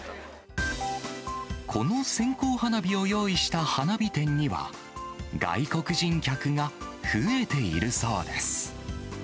この線香花火を用意した花火店には、外国人客が増えているそうです。